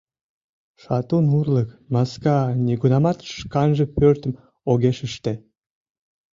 Шатун урлык маска нигунамат шканже пӧртым огеш ыште.